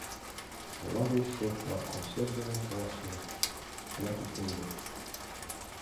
Ола гыч шеф-влак концерт дене толаш сӧреныт, алят уке улыт.